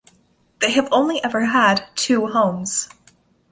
They have only ever had two homes.